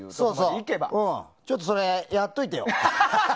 ちょっとそれ、やっといてよ。